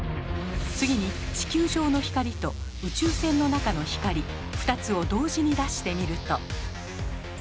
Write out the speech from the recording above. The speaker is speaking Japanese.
次に地球上の光と宇宙船の中の光２つを同時に出してみると。